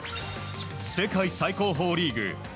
世界最高峰リーグ